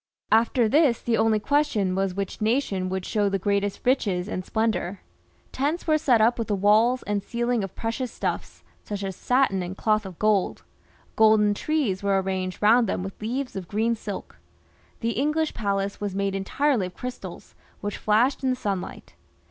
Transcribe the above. After this the only question was which nation would show the greatest riches and splendour. Tents were set up with the walls and ceiling of precious stuflfs, such as satin and cloth of gold ; golden trees were arranged round them with leaves of green silk ; the English palace was made entirely of crystals, which flashed in the sun light.